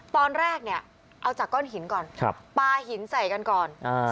ตอนแรกเนี่ยเอาจากก้อนหินก่อนปลาหินใส่กันก่อน